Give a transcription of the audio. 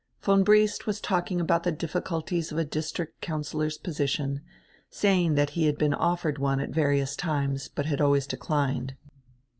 Von Briest was talking about die difficulties of a district councillor's position, saying diat he had been offered one at various times, but had always declined.